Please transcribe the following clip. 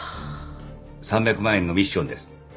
３００万円のミッションです。